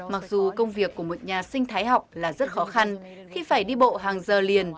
mặc dù công việc của một nhà sinh thái học là rất khó khăn khi phải đi bộ hàng giờ liền